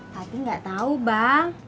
tapi gak tau bang